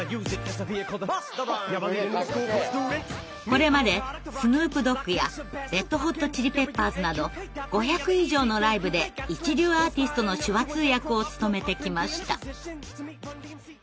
これまでスヌープ・ドッグやレッド・ホット・チリ・ペッパーズなど５００以上のライブで一流アーティストの手話通訳を務めてきました。